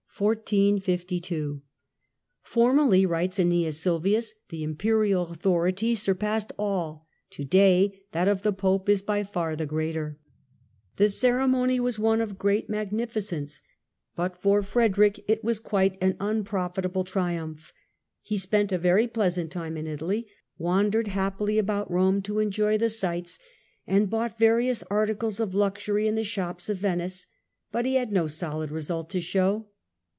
Coronation "Formerly," writes Aeneas Sylvius, "the Imperial rickTiL in authority surpassed all, to day that of the Pope is by Rome, 1452 far the greater." The ceremony was one of great EMPIRE AND PAPACY, 1414 1453 179 magnificence, but for Frederick it was quite an unpro fitable triumph. He spent a very plesant time in Italy, wandered happily about Eome to enjoy the sights, and bought various articles of luxury in the shops of Venice ; but he had no solid result to show.